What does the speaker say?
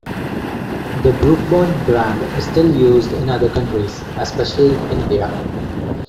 The Brooke Bond brand is still used in other countries, especially in India.